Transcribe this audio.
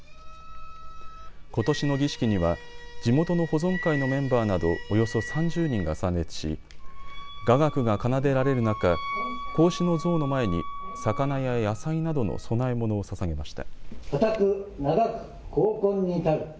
ことしの儀式には地元の保存会のメンバーなどおよそ３０人が参列し雅楽が奏でられる中、孔子の像の前に魚や野菜などの供え物をささげました。